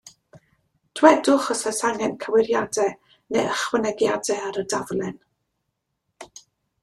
Dwedwch os oes angen cywiriadau neu ychwanegiadau ar y daflen.